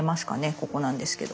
ここなんですけど。